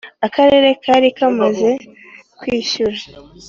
Akarere kari kamaze kwishyura